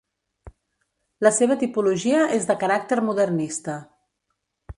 La seva tipologia és de caràcter modernista.